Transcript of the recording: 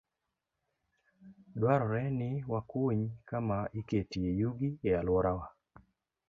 Dwarore ni wakuny kama iketie yugi e alworawa.